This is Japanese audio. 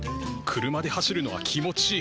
車で走るのは気持ちいい。